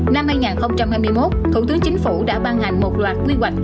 năm hai nghìn hai mươi một thủ tướng chính phủ đã ban hành một loạt quy hoạch